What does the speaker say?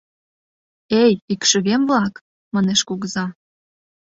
— Эй, икшывем-влак! — манеш кугыза.